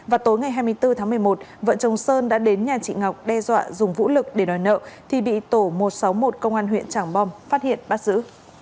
vào tối ngày hai mươi bốn tháng một mươi một vợ chồng sơn đã đến nhà chị ngọc đe dọa dùng vũ lực để đòi nợ thì bị tổ một trăm sáu mươi một công an huyện tràng bom phát hiện bắt giữ